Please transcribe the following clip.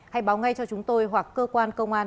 hãy báo ngay cho chúng tôi hoặc cơ quan công an